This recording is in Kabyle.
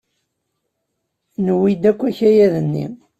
Newwi-d akk akayad-nni.